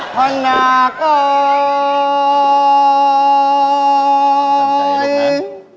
พ่อนาคโอ๊ย